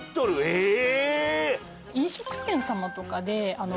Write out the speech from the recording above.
ええ！